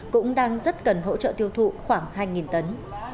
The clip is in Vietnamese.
cũng đang rất cần hỗ trợ tiêu thụ khoảng hai tấn